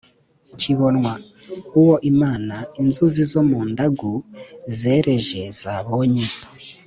kibonwa: uwo imana (inzuzi zo mu ndagu) zereje, zabonye